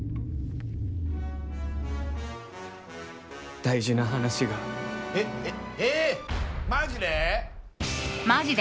大事な話が。え、え、え、マジで？